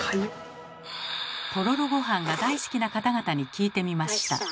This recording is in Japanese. とろろごはんが大好きな方々に聞いてみました。